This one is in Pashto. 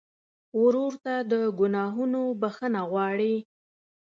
ورور ته د ګناهونو بخښنه غواړې.